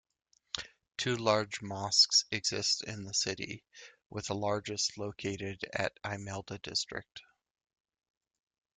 Two large mosques exist in the city, with the largest located at Imelda District.